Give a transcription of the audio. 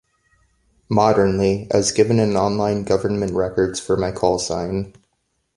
Modernly - as given in online government records for my callsign.